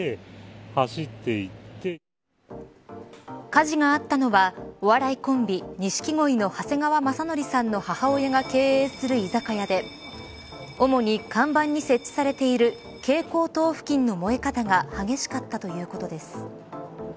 火事があったのはお笑いコンビ錦鯉の長谷川雅紀さんの母親が経営する居酒屋で主に看板に設置されている蛍光灯付近の燃え方が激しかったということです。